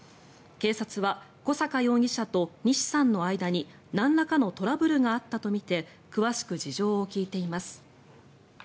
警察は小坂容疑者と西さんの間になんらかのトラブルがあったとみて詳しく事情を聴いています。